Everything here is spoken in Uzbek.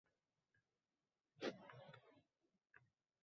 Agrar universitet xorijliklar nigohida